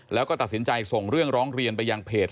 แล้วก็ตัดสินใจส่งเรื่องร้องเรียนไปยังเพจ